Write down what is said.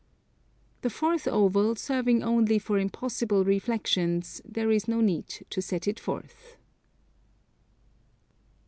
The 4th oval, serving only for impossible reflexions, there is no need to set it forth.